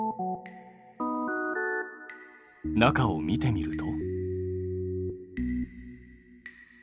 中を見てみると。